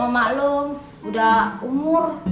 maklum udah umur